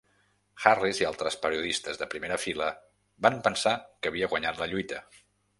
Harris i altres periodistes de primera fila van pensar que havia guanyat la lluita.